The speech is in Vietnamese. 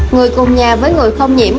người cùng nhà với người không nhiễm